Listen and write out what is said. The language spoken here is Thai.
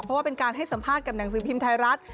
เพราะว่าเป็นการให้สัมภาษณ์กับหนังสือพิมพ์ไทยรัฐ